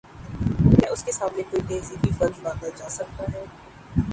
کیا اس کے سامنے کوئی تہذیبی بند باندھا جا سکتا ہے؟